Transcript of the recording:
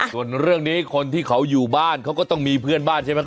ส่วนเรื่องนี้คนที่เขาอยู่บ้านเขาก็ต้องมีเพื่อนบ้านใช่ไหม